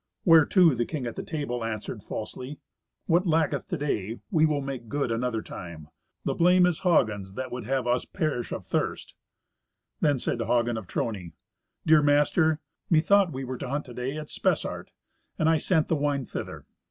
Whereto the king at the table answered falsely, "What lacketh to day we will make good another time. The blame is Hagen's, that would have us perish of thirst." Then said Hagen of Trony, "Dear master, Methought we were to hunt to day at Spessart, and I sent the wine thither.